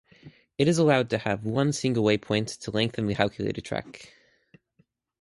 It is allowed to have one single waypoint to lengthen the calculated track.